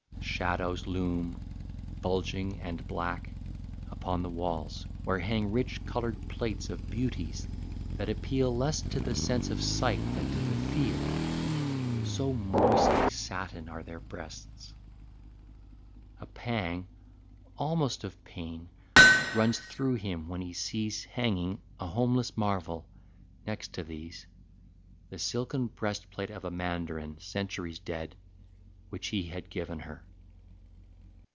Shadows loom, Bulging and black, upon the walls, where hang Rich coloured plates of beauties that appeal Less to the sense of sight than to the feel, So moistly satin are their breasts. A pang, Almost of pain, runs through him when he sees Hanging, a homeless marvel, next to these, The silken breastplate of a mandarin, Centuries dead, which he had given her.